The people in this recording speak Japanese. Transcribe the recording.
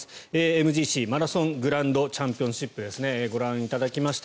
ＭＧＣ・マラソングランドチャンピオンシップですご覧いただきました